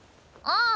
ああ。